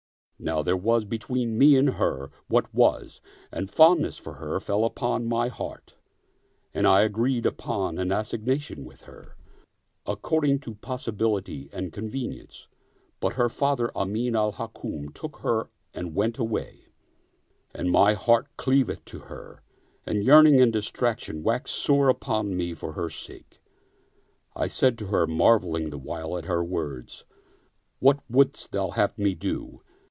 Now there was between me and her what was and fondness for her fell upon my heart and I agreed upon an assignation with her, according to possibility and convenience; but her father Amin al Hukm took her and went away, and my heart cleaveth to her arid yearning and distraction waxed sore upon me for her sake." I said to her, marveling the while at her words, " What wouldst thou have me do?"